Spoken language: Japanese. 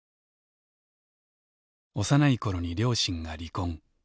幼い頃に両親が離婚。